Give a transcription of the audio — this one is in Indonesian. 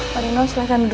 padahal silahkan dut